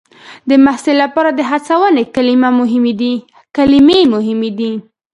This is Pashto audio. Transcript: د محصل لپاره د هڅونې کلمې مهمې دي.